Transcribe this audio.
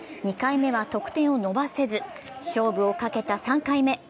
２回目は得点を伸ばせず、勝負をかけた３回目。